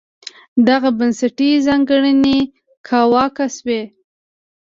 دغه بنسټي ځانګړنې کاواکه شوې.